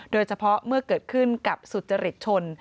โดยเฉพาะเมื่อเกิดขึ้นกับสุจริตชน